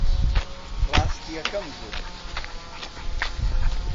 ڕاستییەکەم گوت.